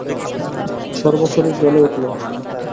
–সর্বশরীর জ্বলে উঠল।